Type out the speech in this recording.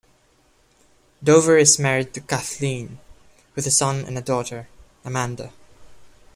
Dover is married to Kathleen, with a son and a daughter, Amanda.